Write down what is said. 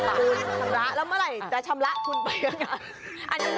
คุณชำระแล้วเมื่อไหร่จะชำระคุณไปก็ได้